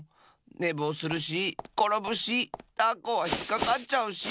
ねぼうするしころぶしたこはひっかかっちゃうし！